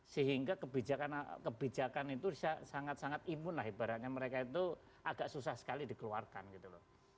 sehingga kebijakan itu sangat sangat imun lah ibaratnya mereka itu agak susah sekali dikeluarkan gitu loh